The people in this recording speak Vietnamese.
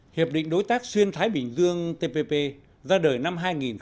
hiệp định đối tác xuyên thái bình dương tpp ra đời năm hai nghìn năm